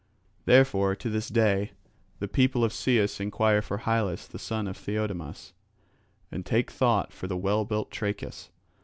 Therefore to this day the people of Cius enquire for Hylas the son of Theiodamas, and take thought for the well built Trachis.